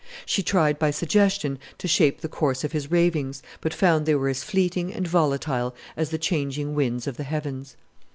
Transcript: She tried, by suggestion, to shape the course of his ravings, but found they were as fleeting and volatile as the changing winds of the heavens.